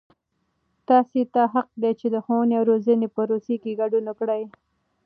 تاسې ته حق دی چې د ښووني او روزنې پروسې کې ګډون وکړئ.